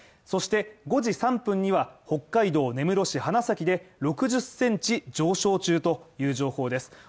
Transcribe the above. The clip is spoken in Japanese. そして、５時３分には北海道根室市花咲で６０センチ上昇中という情報です。